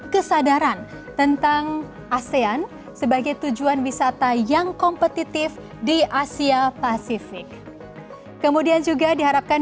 kesadaran tentang asean sebagai tujuan wisata yang kompetitif di asia pasifik kemudian juga diharapkan